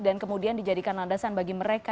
dan kemudian dijadikan landasan bagi mereka